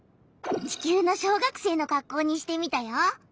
地球の小学生のかっこうにしてみたよ。